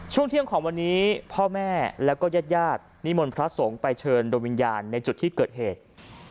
ช่วงเที่ยงของวันนี้พ่อแม่แล้วก็ญาติญาตินิมนต์พระสงฆ์ไปเชิญโดยวิญญาณในจุดที่เกิดเหตุ